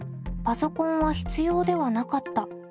「パソコンは必要ではなかった」